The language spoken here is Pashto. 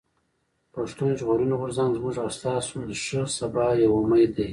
پښتون ژغورني غورځنګ زموږ او ستاسو د ښه سبا يو امېد دی.